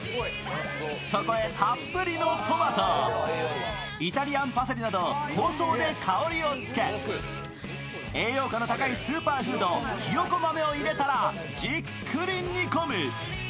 そこへたっぷりのトマト、イタリアンパセリなど香草で香りをつけ、栄養価の高いスーパーフードひよこ豆を入れたら、じっくり煮込む。